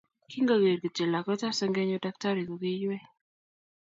kingo geer kityo lakwetab sengenyu daktari koki iywei